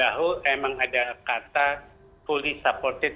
bahwa memang ada kata fully supported